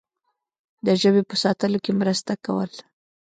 د ژبې په ساتلو کې مرسته کوله.